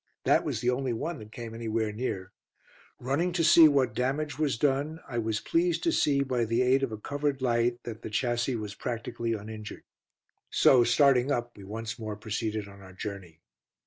That was the only one that came anywhere near. Running to see what damage was done, I was pleased to see, by the aid of a covered light, that the chassis was practically uninjured. So starting up we once more proceeded on our journey.